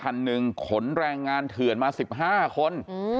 คันหนึ่งขนแรงงานเถื่อนมา๑๕คน